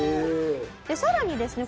さらにですね